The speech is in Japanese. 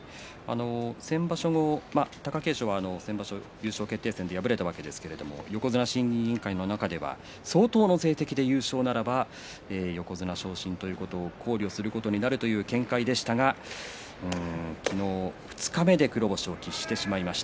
先場所も貴景勝は先場所、優勝決定戦で敗れましたが横綱審議委員会の中では相当の成績であれば横綱昇進も考慮するという見解でしたが昨日二日目で黒星を喫してしまいました。